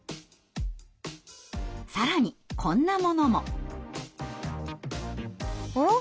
更にこんなものも。ん？